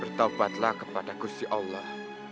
bertobatlah kepada gusti allah